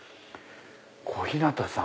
小日向さん。